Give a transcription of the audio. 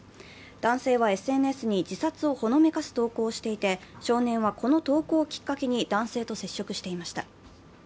男性はＳＮＳに自殺をほのめかす投稿をしていて、少年はこの投稿をきっかけに男性と接触していました。